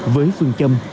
với phương châm